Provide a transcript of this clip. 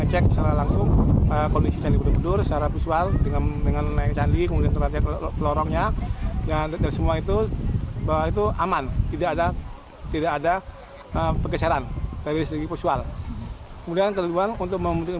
pengukuran dengan menggunakan alat